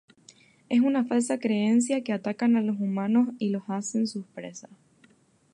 Es una falsa creencia que atacan a los humanos y los hacen sus presas.